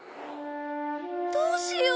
どうしよう。